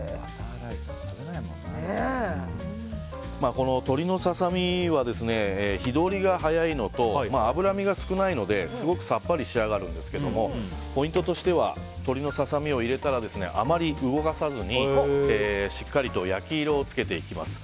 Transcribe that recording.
この鶏のササミは火通りが早いのと脂身が少ないのですごくさっぱり仕上がるんですけどポイントとしては鶏のササミを入れたらあまり動かさずに、しっかりと焼き色をつけていきます。